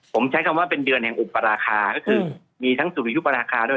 ผมใช้คำว่าเป็นเดือนแห่งอุปราคาก็คือมีทั้งสุริยุปราคาด้วย